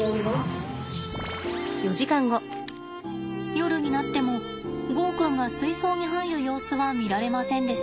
夜になってもゴーくんが水槽に入る様子は見られませんでした。